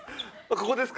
ここですか？